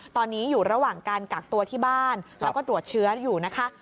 ตอนนี้อยู่ระหว่างการกักตัวที่บ้านแล้วก็ตรวจเชื้ออยู่นะคะ